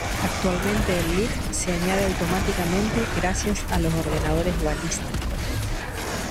Actualmente el lead se añade automáticamente gracias a los ordenadores balísticos.